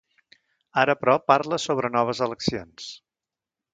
Ara però, parla sobre noves eleccions.